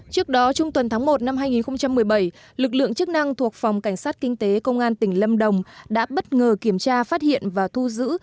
trước đó trung tuần tháng một năm hai nghìn một mươi bảy lực lượng chức năng thuộc phòng cảnh sát kinh tế công an tỉnh lâm đồng đã bất ngờ kiểm tra phát hiện và thu giữ